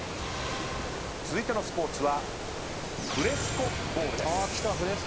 続いてのスポーツは。